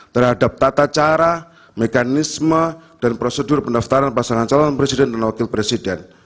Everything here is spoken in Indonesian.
terhadap tata cara mekanisme dan prosedur pendaftaran pasangan calon presiden dan wakil presiden